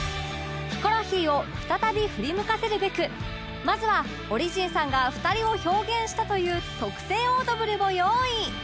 ヒコロヒーを再び振り向かせるべくまずはオリジンさんが２人を表現したという特製オードブルを用意！